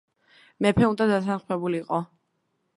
მეფე უნდა დათანხმებულიყო.